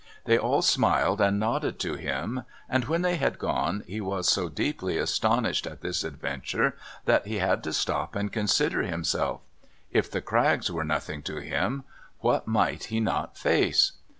They all smiled and nodded to him, and when they had gone he was so deeply astonished at this adventure that he had to stop and consider himself. If the Craggs were nothing to him, what might he not face?